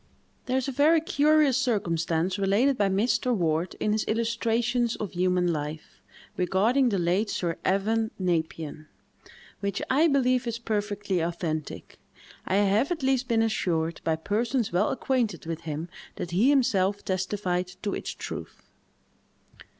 There is a very curious circumstance related by Mr. Ward, in his "Illustrations of Human Life," regarding the late Sir Evan Nepean, which I believe is perfectly authentic. I have at least been assured, by persons well acquainted with him, that he himself testified to its truth.